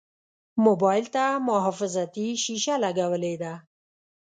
موبایل ته محافظتي شیشه لګولې ده.